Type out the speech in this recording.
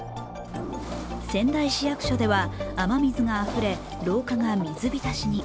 仙台市役所では雨水があふれ廊下が水浸しに。